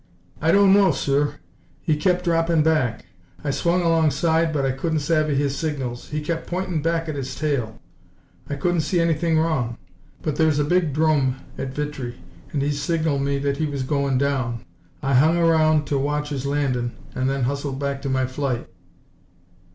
"Don't know, sir. He kept droppin' back. I swung alongside but I couldn't savvy his signals. He kept pointin' back at his tail. I couldn't see anything wrong, but there's a big 'drome at Vitry and he signaled me that he was goin' down. I hung around to watch his landin' and then hustled back to my flight."